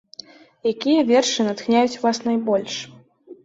Якія вершы натхняюць вас найбольш?